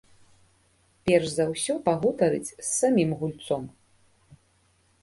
Перш за ўсё пагутарыць з самім гульцом.